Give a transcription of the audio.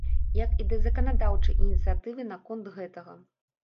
Як і да заканадаўчай ініцыятывы наконт гэтага.